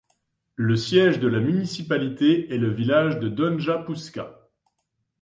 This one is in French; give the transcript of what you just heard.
Le siège de la municipalité est le village de Donja Pušća.